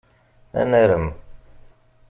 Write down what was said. Ad narem.